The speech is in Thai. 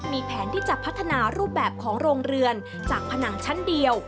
มีแผนที่จะพัฒนารูปแบบของโรงเรือนจากผนังชั้นเดียว